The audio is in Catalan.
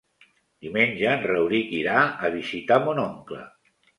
Diumenge en Rauric irà a visitar mon oncle.